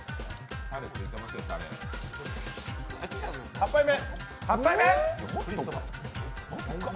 ８杯目。